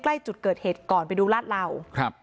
ใกล้จุดเกิดเหตุก่อนไปดูลาดเหล่าครับ